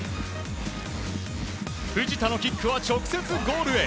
藤田のキックは直接ゴールへ！